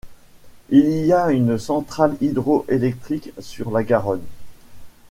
Il y a une centrale hydro-électrique sur la Garonne.